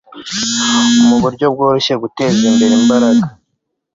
mu buryo bworoshye guteza imbere imbaraga